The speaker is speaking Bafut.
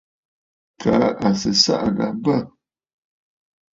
Kaa à sɨ ɨsaʼà gha bə̂.